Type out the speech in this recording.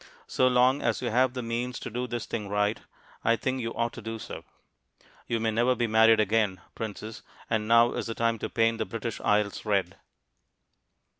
So long as you have the means to do this thing right, I think you ought to do so. You may never be married again, princess, and now is the time to paint the British Isles red.